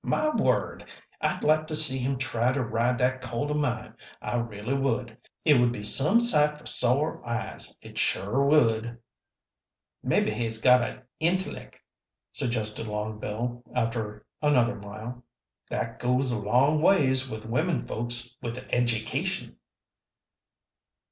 My word! I'd like to see him try to ride that colt o' mine. I really would. It would be some sight for sore eyes, it sure would." "Mebbe he's got a intellec'," suggested Long Bill, after another mile. "That goes a long ways with women folks with a education."